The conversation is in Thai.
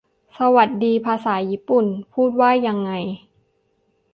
สวัสดี ภาษาญี่ปุ่นพูดว่ายังไง